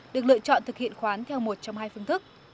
được lựa chọn thực hiện khoán theo một trong hai phương thức